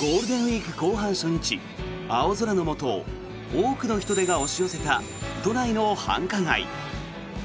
ゴールデンウィーク後半初日青空のもと多くの人出が押し寄せた都内の繁華街。